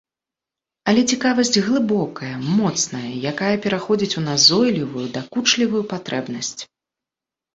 Але цікавасць глыбокая, моцная, якая пераходзіць у назойлівую, дакучлівую патрэбнасць.